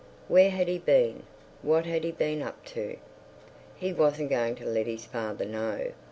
Where had he been? What had he been up to? He wasn't going to let his father know.